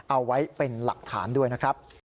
เอาไว้เป็นหลักฐานด้วยนะครับ